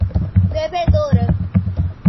devedora